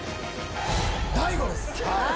大悟です。